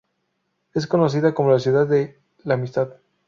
Es conocida como la Ciudad de la Amistad.